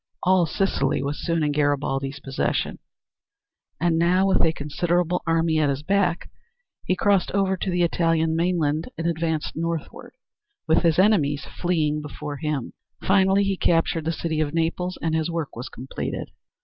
All Sicily was soon in Garibaldi's possession, and now, with a considerable army at his back, he crossed over to the Italian mainland and advanced northward, with his enemies fleeing before him. Finally he captured the city of Naples and his work was completed.